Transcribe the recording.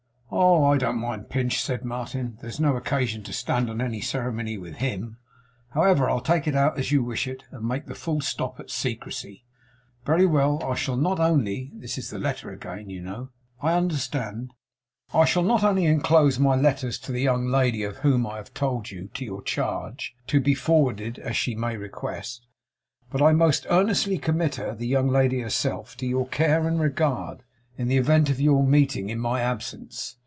'Oh, I don't mind Pinch,' said Martin. 'There's no occasion to stand on any ceremony with HIM. However, I'll take it out, as you wish it, and make the full stop at "secrecy." Very well! "I shall not only" this is the letter again, you know.' 'I understand.' '"I shall not only enclose my letters to the young lady of whom I have told you, to your charge, to be forwarded as she may request; but I most earnestly commit her, the young lady herself, to your care and regard, in the event of your meeting in my absence.